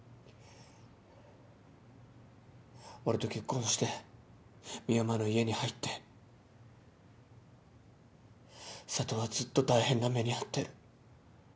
俺と結婚して深山の家に入って佐都はずっと大変な目に遭ってる。